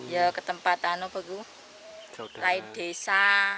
ya ke tempat lain desa